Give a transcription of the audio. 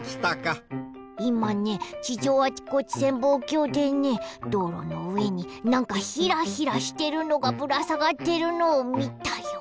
いまね地上あちこち潜望鏡でねどうろのうえになんかヒラヒラしてるのがぶらさがってるのをみたよ。